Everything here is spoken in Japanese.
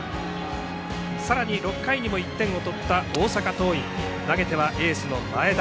さらに６回にも１点を取った大阪桐蔭、投げてはエースの前田。